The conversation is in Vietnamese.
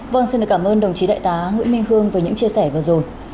vâng xin cảm ơn đồng chí đại tá nguyễn minh hương với những chia sẻ vừa rồi